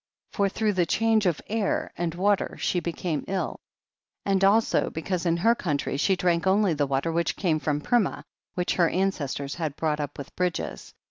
19. For through the change of air and water she became ill, and also because in her country she drank only the water which came from Purmah, which her ancestors had brought up with bridges.